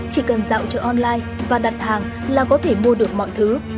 chỉ cần dạo cho online và đặt hàng là có thể mua được mọi thứ